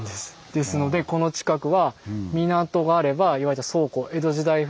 ですのでこの近くは港があれば言われた倉庫江戸時代風に言うと。